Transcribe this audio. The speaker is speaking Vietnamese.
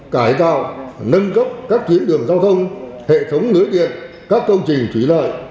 cải tạo nâng cấp các chuyến đường giao thông hệ thống lưới điện các công trình trí lợi